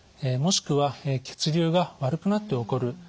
もしくは血流が悪くなって起こる